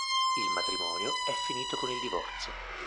Il matrimonio è finito con il divorzio.